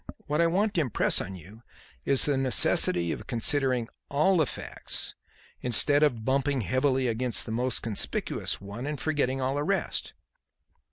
What I want to impress on you is the necessity of considering all the facts instead of bumping heavily against the most conspicuous one and forgetting all the rest.